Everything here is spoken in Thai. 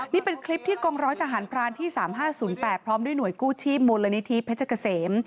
นี่เป็นคลิปที่กองร้อยทหารพรานที่๓๕๐๘พร้อมด้วยหน่วยกู้ชีพมูลนิธิเพชรเกษม